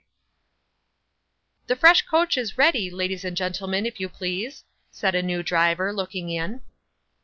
'The fresh coach is ready, ladies and gentlemen, if you please,' said a new driver, looking in.